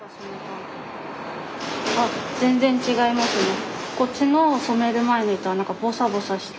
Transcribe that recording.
あ全然違いますね。